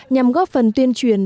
nhằm góp phần tuyên truyền